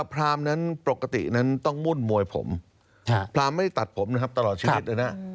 พราหมณ์ปกตินั้นต้องมุ่นมวยผมพราหมณ์ไม่ได้ตัดผมตลอดชีวิตเลยนะครับ